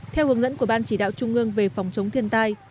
theo hướng dẫn của ban chỉ đạo trung ương về phòng chống thiên tai